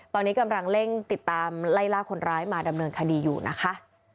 ตอนนี้กำลังเร่งติดตามไล่ล่าคนร้ายมาดำเนินคดีอยู่นะคะ